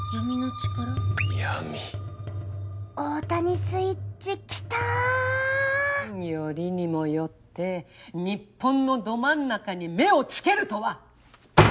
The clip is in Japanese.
大谷スイッチきたー！よりにもよって日本のど真ん中に目を付けるとは。